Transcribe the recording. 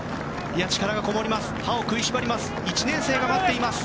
力がこもります。